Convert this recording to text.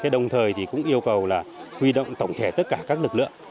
đồng thời cũng yêu cầu là huy động tổng thể tất cả các lực lượng